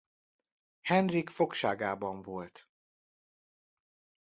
Henrik fogságában volt.